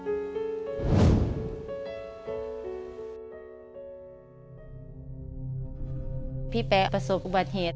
พี่แป๊ะประสบอุบัติเหตุ